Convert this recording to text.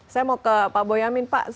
saya mau ke pak boyamin pak